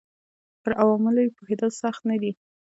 پر عواملو یې پوهېدل سخت نه دي